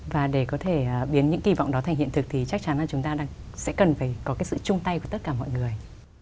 và để có thể biến những kỳ vọng đó thành hiện thực thì chắc chắn là chúng ta sẽ cần phải có cái sự chung tay của tất cả mọi người